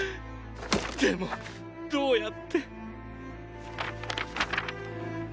でもどうやって？